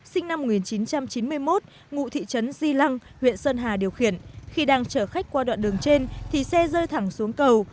sinh năm một nghìn chín trăm chín mươi một ngụ thị trấn di lăng huyện sơn hà điều khiển khi đang chở khách qua đoạn đường trên thì xe rơi thẳng xuống cầu